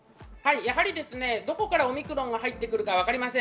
どこからオミクロンが入ってくるかわかりません。